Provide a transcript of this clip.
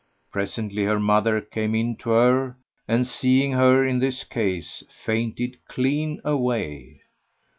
Presently her mother came in to her; and, seeing her in this case, fainted clean away.